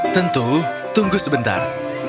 tentu tunggu sebentar